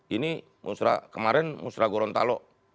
ini musrah kemarin musrah gorontalo